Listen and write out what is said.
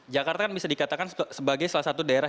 jakarta kan bisa dikatakan sebagai salah satu daerah